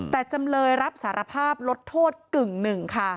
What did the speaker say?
แต่จำเลยรับสารภาพลดโทษกึ่งหนึ่งค่ะ